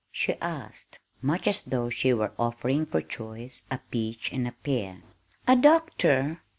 she asked, much as though she were offering for choice a peach and a pear. "A doctor!"